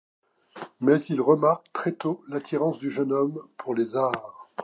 Mais il remarque très tôt l’attirance du jeune homme pour les arts.